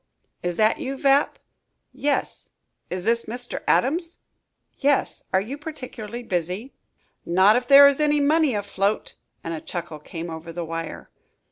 "Is that you, Vapp?" "Yes. Is this Mr. Adams?" "Yes. Are you particularly busy?" "Not if there is any money afloat," and a chuckle came over the wire.